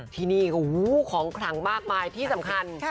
ที่นี่ของขลังมากมายที่สำคัญ